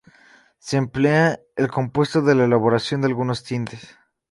Se emplea el compuesto en la elaboración de algunos tintes.